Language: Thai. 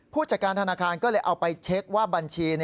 ผู้จัดการธนาคารก็เลยเอาไปเช็คว่าบัญชี